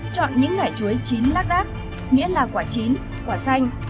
chọn những loại chuối chín lát đát nghĩa là quả chín quả xanh